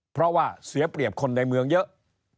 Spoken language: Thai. เพราะว่าเสียเปรียบคนในเมืองเยอะ